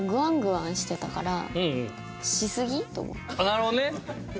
なるほどね！